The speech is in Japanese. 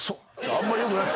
あんまよくない。